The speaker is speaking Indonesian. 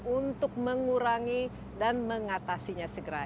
untuk mengurangi dan mengatasinya segera